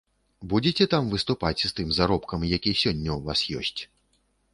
Будзеце там выступаць з тым заробкам, які сёння ў вас ёсць?